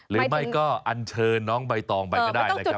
หรือไม่ก็อันเชิญน้องใบตองไปก็ได้นะครับ